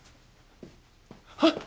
あっ。